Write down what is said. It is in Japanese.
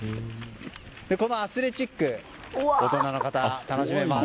このアスレチック大人の方、楽しめます。